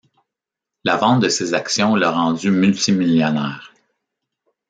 La vente de ses actions l'a rendue multi-millionnaire.